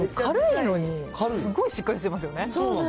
軽いのに、すごいしっかりしてますよね。